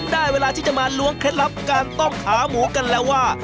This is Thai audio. เวลาที่จะมาล้วงเคล็ดลับการต้มขาหมูกันแล้วว่า